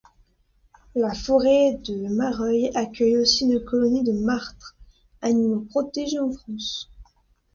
La forêt de Mareuil accueille aussi une colonie de martres, animaux protégés en France.